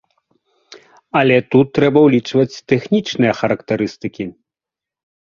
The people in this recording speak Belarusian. Але тут трэба ўлічваць тэхнічныя характарыстыкі.